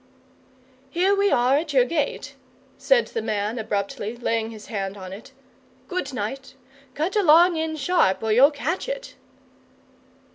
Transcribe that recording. "Here we are at your gate," said the man, abruptly, laying his hand on it. "Good night. Cut along in sharp, or you'll catch it!"